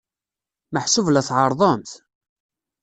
Meḥsub la tɛerrḍemt?